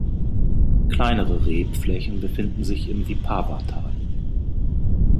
Kleinere Rebflächen befinden sich im Vipava-Tal.